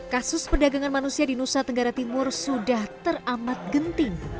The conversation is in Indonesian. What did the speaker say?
kasus perdagangan manusia di nusa tenggara timur sudah teramat genting